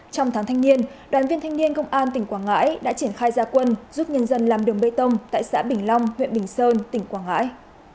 trong tháng thanh niên đoàn viên thanh niên công an tỉnh quảng ngãi đã triển khai gia quân giúp nhân dân làm đường bê tông tại xã bình long huyện bình sơn tỉnh quảng ngãi